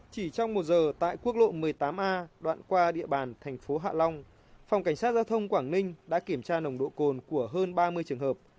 chỉ trong một giờ tại quốc lộ một mươi tám a đoạn qua địa bàn thành phố hạ long phòng cảnh sát giao thông quảng ninh đã kiểm tra nồng độ cồn của hơn ba mươi trường hợp